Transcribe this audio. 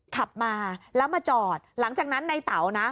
ขับมาแล้วมาจอดหลังจากนั้นในเต๋านะ